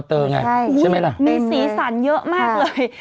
เสียงมีสีสันเยอะมากเลย